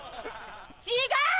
違う！